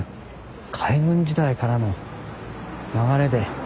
海軍時代からの流れで。